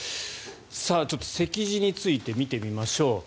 ちょっと席次について見てみましょう。